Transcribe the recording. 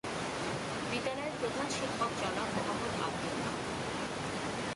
বিদ্যালয়ের প্রধান শিক্ষক জনাব মোহাম্মদ আবদুল্লাহ।